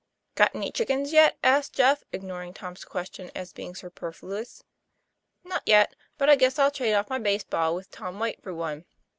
;' Got any chickens yet?" asked Jeff, ignoring Tom's question as being superfluous. 'Not yet, but I guess I'll trade off my base ball with Tom White for one."